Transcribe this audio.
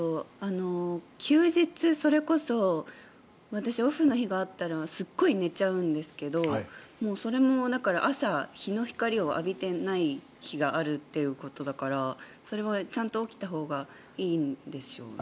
休日それこそ私、オフの日があったらすごく寝ちゃうんですけどそれも朝、日の光を浴びてない日があるということだからそれはちゃんと起きたほうがいいんでしょうね。